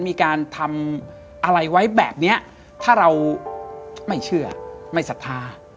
มีการทำอะไรไว้แบบนี้ถ้าเราไม่เชื่อไม่ศรัทธา